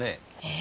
え？